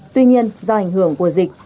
tuy nhiên do ảnh hưởng của dịch